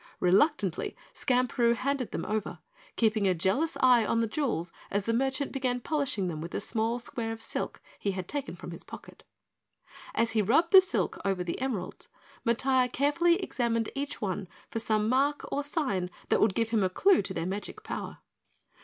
Reluctantly Skamperoo handed them over, keeping a jealous eye on the jewels as the merchant began polishing them with a small square of silk he had taken from his pocket. As he rubbed the silk over the emeralds, Matiah carefully examined each one for some mark or sign that would give him a clue to their magic power.